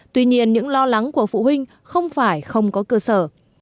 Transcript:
tuy nhiên những lo lắng của phụ huynh không phải không có cơ sở